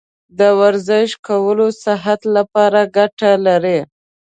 د ورزش کول صحت لپاره ګټه لري.